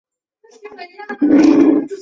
春日町为爱知县西部西春日井郡的町。